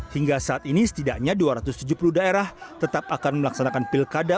hingga saat ini setidaknya dua ratus tujuh puluh daerah tetap akan melaksanakan pilkada